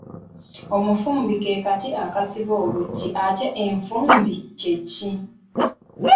Omufumbi ke kati akasiba oluggi, ate enfumbi kye ki?